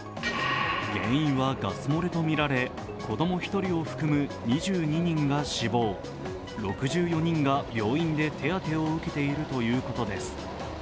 原因はガス漏れとみられ子供１人を含む２２人が死亡、６４人が病院で手当を受けているということです。